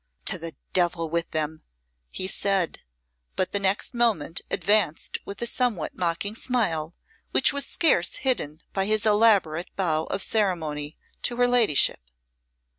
"To the devil with them!" he said, but the next moment advanced with a somewhat mocking smile, which was scarce hidden by his elaborate bow of ceremony to her ladyship.